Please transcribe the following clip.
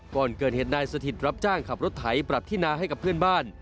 ก่อนเกิดเหตุนายสถิตรับจ้างขับรถไถปรับที่นาให้กับเพื่อนบ้าน